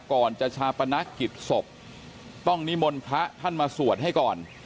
ก่อนจะชาปนกิจศพต้องนิมนต์พระท่านมาสวดให้ก่อน